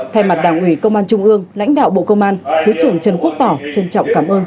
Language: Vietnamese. thay mặt đảng ủy công an trung ương lãnh đạo bộ công an thứ trưởng trần quốc tỏ trân trọng cảm ơn